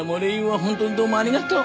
本当にどうもありがとう。